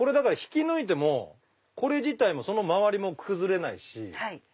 引き抜いてもこれ自体もその周りも崩れないし。